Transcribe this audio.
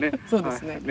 そうですね。